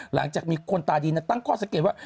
หลังจากมีคนตาดีตั้งข้อสังเกตว่า